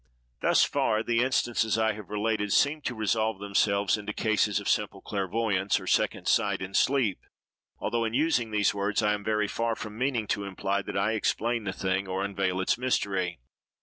Thus far the instances I have related seem to resolve themselves into cases of simple clairvoyance, or second sight in sleep, although, in using these words, I am very far from meaning to imply that I explain the thing, or unveil its mystery.